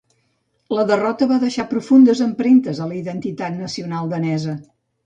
La derrota va deixar profundes empremtes a la identitat nacional danesa.